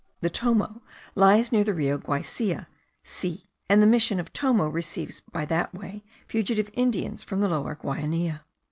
The Tomo lies near the Rio Guaicia (Xie), and the mission of Tomo receives by that way fugitive Indians from the Lower Guainia.